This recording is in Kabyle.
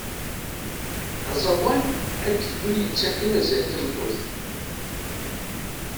Aẓawan akked win yettakken azal i tmeṭṭut.